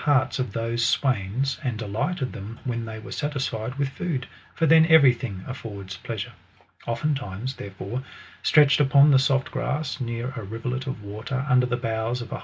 These melodies softened the hearts of those swains, and de lighted them when they were satisfied with food ; for then every thing affords pleasure. Oftentimes, therefore, stretched upon the soft grass, near a rivulet of water, under the boughs of a.